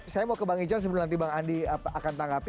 saya mau ke bang ical sebelum nanti bang andi akan tanggapi